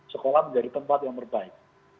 sekolah menjadi tempat yang terbaik